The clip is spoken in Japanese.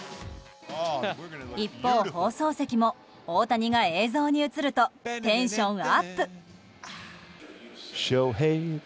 一方、放送席も大谷が映像に映るとテンションアップ！